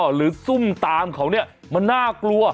หรือทรุ่มตามเขานี่มันน่ากลัว